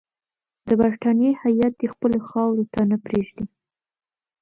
د برټانیې هیات دي خپلو خاورې ته پرې نه ږدي.